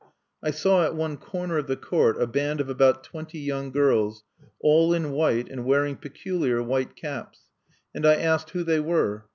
I saw at one corner of the court a band of about twenty young girls, all in white, and wearing peculiar white caps, and I asked who they were.